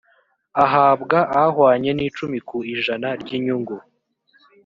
ahabwa ahwanye n’icumi ku ijana ry’inyungu